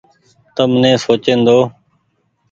تم ني سوچيئن ۮئو۔